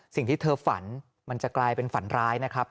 สิ่งที่เธอฝันมันจะกลายเป็นฝันร้ายนะครับ